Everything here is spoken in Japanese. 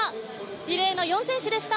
リレーの４選手でした。